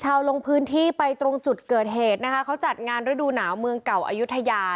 ลงพื้นที่ไปตรงจุดเกิดเหตุนะคะเขาจัดงานฤดูหนาวเมืองเก่าอายุทยา